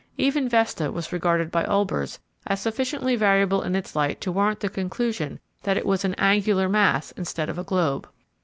Even Vesta was regarded by Olbers as sufficiently variable in its light to warrant the conclusion that it was an angular mass instead of a globe.